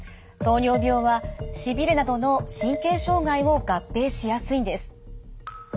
糖尿病はしびれなどの神経障害を合併しやすいんです。